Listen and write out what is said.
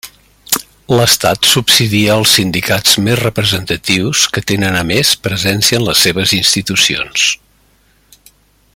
L'Estat subsidia als sindicats més representatius, que tenen a més presència en les seves institucions.